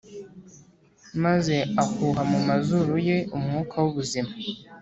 maze ahuha mu mazuru ye umwuka w’ubuzima